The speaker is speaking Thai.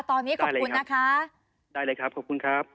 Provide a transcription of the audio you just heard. ตอนนี้ขอบคุณนะคะได้เลยครับขอบคุณครับ